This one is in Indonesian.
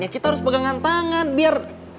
kita harus pegangan tangan biar